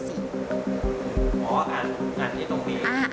อ๋ออ่านที่ตรงนี้